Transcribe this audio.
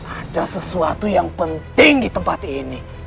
ada sesuatu yang penting di tempat ini